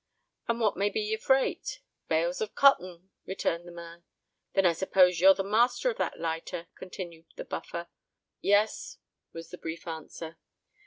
"And what may be your freight?" "Bales of cotton," returned the man. "Then I suppose you're the master of that lighter?" continued the Buffer. "Yes," was the brief answer.